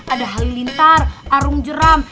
ada halilintar arung jeram